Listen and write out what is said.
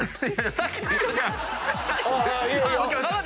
さっきと。